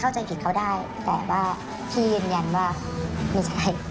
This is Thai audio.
เขารู้สึกแบบเฮ้ยทำฉันทำไม